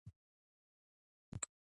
د مختلفو تګلارو لپاره باید چمتو واوسو.